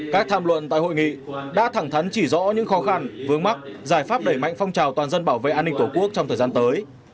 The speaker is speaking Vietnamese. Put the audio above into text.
các tham luận tại hội nghị đã thẳng thắn chỉ rõ những khó khăn vướng mắt giải pháp đẩy mạnh phong trào toàn dân bảo vệ an ninh tổ quốc trong thời gian tới